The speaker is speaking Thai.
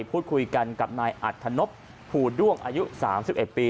พูดคุยกันกับนายอัธนพภูด้วงอายุ๓๑ปี